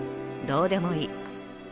どうでもいい。